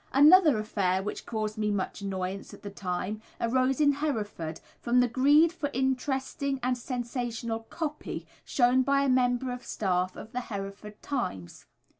Another affair which caused me much annoyance at the time arose in Hereford, from the greed for interesting and sensational "copy" shown by a member of the staff of the Hereford Times.